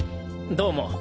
どうも。